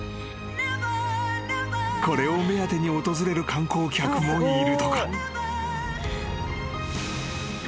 ［これを目当てに訪れる観光客もいるとか］